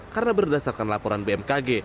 karena berdasarkan laporan bmkg